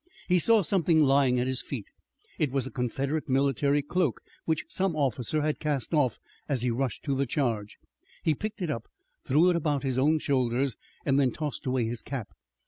He saw something lying at his feet. It was a Confederate military cloak which some officer had cast off as he rushed to the charge. He picked it up, threw it about his own shoulders, and then tossed away his cap.